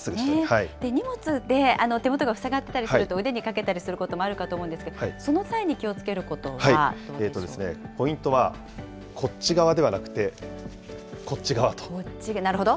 荷物で手元がふさがったりすると腕にかけたりすることもあるかと思うんですけれども、その際ポイントは、こっち側ではななるほど。